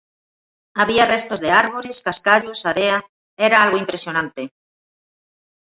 Había restos de árbores, cascallos, area... era algo impresionante.